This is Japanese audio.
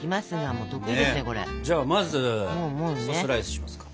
じゃあまずスライスしますか。